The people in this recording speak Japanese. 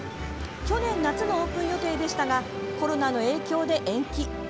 去年夏のオープン予定でしたがコロナの影響で、延期。